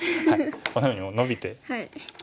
こんなふうにノビて。